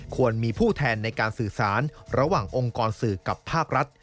ควรมีผู้แทนในการสื่อสารระหว่างองค์กรสื่อกับภาครัฐ